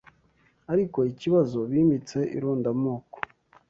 ariko ikibazo bimitse irondamoko